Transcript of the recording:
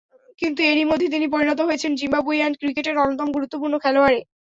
কিন্তু এরই মধ্যে তিনি পরিণত হয়েছেন জিম্বাবুইয়ান ক্রিকেটের অন্যতম গুরুত্বপূর্ণ খেলোয়াড়ে।